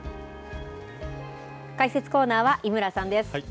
解説コーナーは井村さんです。